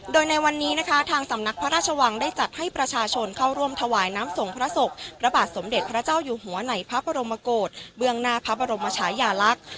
โดยในวันนี้นะคะทางสำนักพระราชวังได้จัดให้ประชาชนเข้าร่วมถวายน้ำส่งพระศพพระบาทสมเด็จพระเจ้าอยู่หัวในพระบรมโกศเบื้องหน้าพระบรมชายาลักษณ์